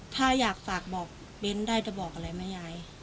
ถ้าอยากฝากบอกเบ้นได้จะบอกอะไรไหมยาย